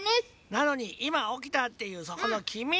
なのにいまおきたっていうそこのきみ！